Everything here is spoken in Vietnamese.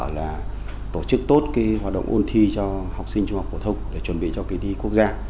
là tổ chức tốt cái hoạt động ôn thi cho học sinh trung học phổ thông để chuẩn bị cho kỳ thi quốc gia